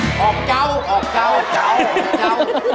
ออกเจ้าออกเจ้าเก่าเจ้าออกเจ้า